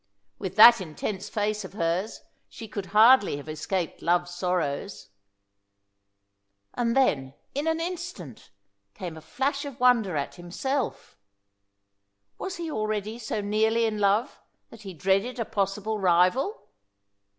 With that intense face of hers she could hardly have escaped love's sorrows. And then, in an instant, came a flash of wonder at himself. Was he already so nearly in love that he dreaded a possible rival?